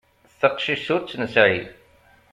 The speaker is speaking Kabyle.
Taqcict ur tt-nesεi.